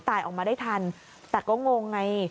ตายออกมาได้ทันแต่ก็งงไง